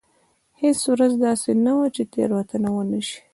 هېڅ ورځ داسې نه وه چې تېروتنه ونه شي.